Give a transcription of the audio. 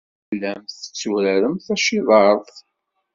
Tellamt tetturaremt tacirḍart.